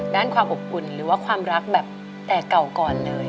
ด้านความอบอุ่นหรือว่าความรักแบบแต่เก่าก่อนเลย